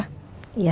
ketemu di pasar